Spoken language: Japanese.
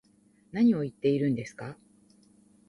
何を言ってるんですか